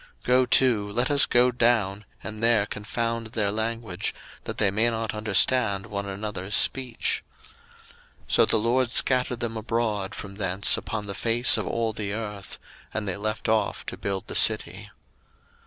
01:011:007 Go to, let us go down, and there confound their language, that they may not understand one another's speech. 01:011:008 So the LORD scattered them abroad from thence upon the face of all the earth: and they left off to build the city.